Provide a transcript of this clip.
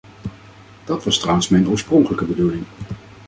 Dat was trouwens mijn oorspronkelijke bedoeling.